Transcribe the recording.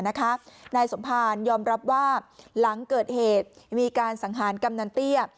นายสมภารยอมรับว่าหลังเกิดเหตุมีการสังหารกำนันเตี้ย